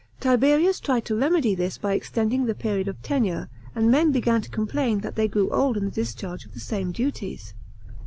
Tiberius tried to remedy this by extending the period of tenure, and men began to complain that they grew old in the discharge of the same duties.